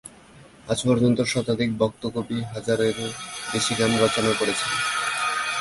আজ পর্য্যন্ত শতাধিক ভক্ত কবি হাজারের ও বেশি গান রচনা করেছেন।